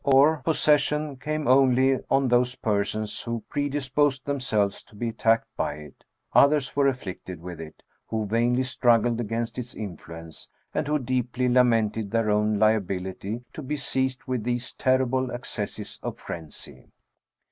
41 possession came only on those persons who predisposed themselves to be attacked by it; others were aflBicted with it, who vainly struggled against its influence, and who deeply lamented their own liability to be seized with these terrible accesses of frenzy.